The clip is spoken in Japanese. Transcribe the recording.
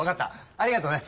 ありがとね。